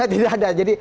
tidak ada jadi